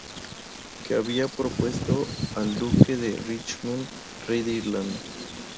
Que había propuesto al duque de Richmond rey de Irlanda.